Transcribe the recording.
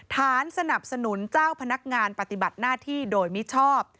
สนับสนุนเจ้าพนักงานปฏิบัติหน้าที่โดยมิชอบ